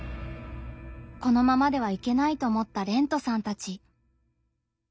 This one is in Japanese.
このままではいけないと思ったれんとさんたち。